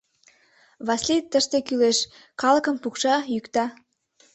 Васлий тыште кӱлеш: калыкым пукша, йӱкта.